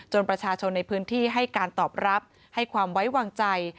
ประชาชนในพื้นที่ให้การตอบรับให้ความไว้วางใจ